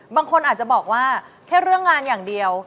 บางคนอาจจะบอกว่าแค่เรื่องงานอย่างเดียว